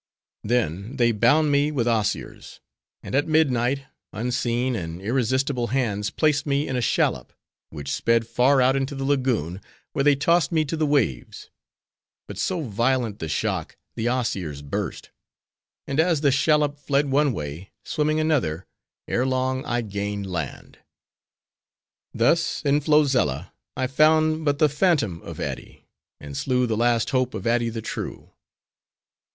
—Then they bound me with osiers; and at midnight, unseen and irresistible hands placed me in a shallop; which sped far out into the lagoon, where they tossed me to the waves; but so violent the shock, the osiers burst; and as the shallop fled one way, swimming another, ere long I gained land. "'Thus in Flozella, I found but the phantom of Ady, and slew the last hope of Ady the true.